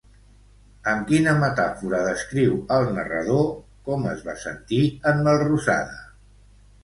Amb quina metàfora descriu el narrador com es va sentir en Melrosada?